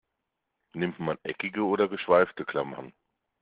Nimmt man eckige oder geschweifte Klammern?